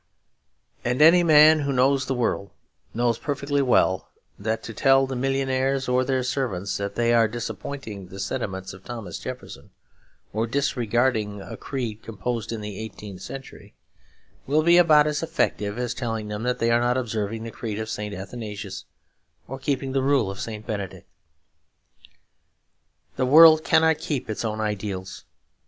And any man who knows the world knows perfectly well that to tell the millionaires, or their servants, that they are disappointing the sentiments of Thomas Jefferson, or disregarding a creed composed in the eighteenth century, will be about as effective as telling them that they are not observing the creed of St. Athanasius or keeping the rule of St. Benedict. The world cannot keep its own ideals.